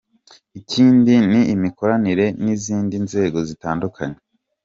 Ikindi ni imikoranire n’izindi nzego zitandukanye.